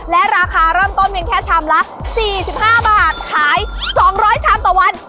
และราคาร่ำต้นเพียงแค่ชำละสี่สิบห้าบาทขายสองร้อยชำต่อวัน